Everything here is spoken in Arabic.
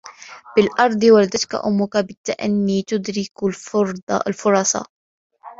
بالأرض ولدتك أمك بالتأني تُدْرَكُ الفُرَصُ